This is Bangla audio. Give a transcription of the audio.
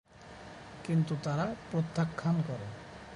কিন্তু তারা প্রত্যাখ্যান করে।